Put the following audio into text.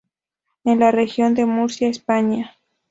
En la Región de Murcia, España.